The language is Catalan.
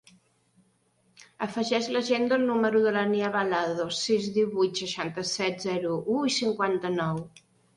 Afegeix a l'agenda el número de la Nia Balado: sis, divuit, seixanta-set, zero, u, cinquanta-nou.